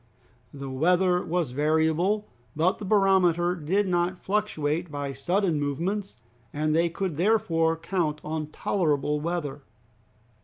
The weather was variable, but the barometer did not fluctuate by sudden movements, and they could therefore count on tolerable weather.